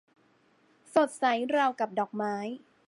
สดใสราวกับดอกไม้